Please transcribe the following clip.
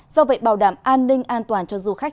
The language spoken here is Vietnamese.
do vậy bảo đảm an ninh an toàn cho du khách